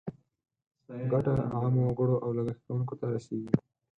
ګټه عامو وګړو او لګښت کوونکو ته رسیږي.